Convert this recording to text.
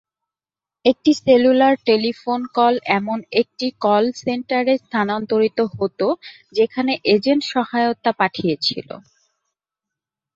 একটি cellular telephone call এমন একটি কল সেন্টারে স্থানান্তরিত হত যেখানে এজেন্ট সহায়তা পাঠিয়েছিল।